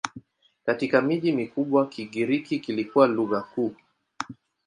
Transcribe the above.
Katika miji mikubwa Kigiriki kilikuwa lugha kuu.